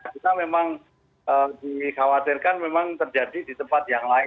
kita memang dikhawatirkan memang terjadi di tempat yang lain